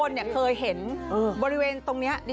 แก้บนเคยเห็นบริเวณตรงนี้